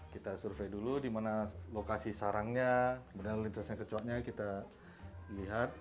kita survei dulu di mana lokasi sarangnya kemudian lintasnya kecotnya kita lihat